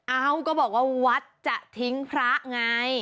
เอ้าก็บอกว่าวัดจะทิ้งพระไง